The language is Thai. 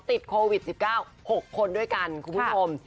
ติดโควิด๑๙๖คนด้วยกันคุณผู้ชม